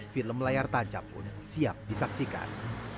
film layar tancap pun siap disaksikan